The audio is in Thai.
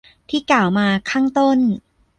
ที่กล่าวมาข้างต้น